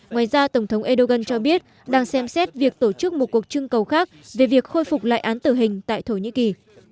ngoài ra tổng thống erdogan cho biết đang xem xét việc tổ chức một cuộc trưng cầu khác về việc khôi phục lại án tử hình tại thổ nhĩ kỳ